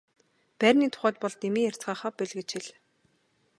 Байрны тухайд бол дэмий ярьцгаахаа боль гэж хэл.